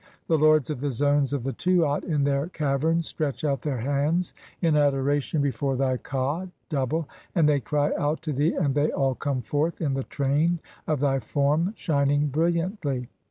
The lords of (17) the zones of 'the Tuat in their caverns stretch out their hands in adoration 'before (18) thy Ka (double), and they cry out to thee, and thev 'all come forth in the train of thy form shining brilliantlv.